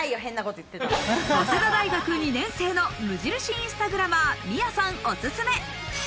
早稲田大学２年生の無印インスタグラマー・みあさんおすすめ！